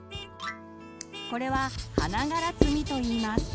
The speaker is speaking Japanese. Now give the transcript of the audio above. これは「花がらつみ」といいます。